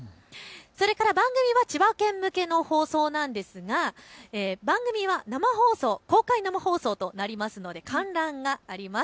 それから番組は千葉県向けの放送なんですが番組は公開生放送となりますので観覧があります。